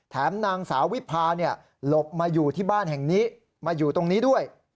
นางสาววิพาหลบมาอยู่ที่บ้านแห่งนี้มาอยู่ตรงนี้ด้วย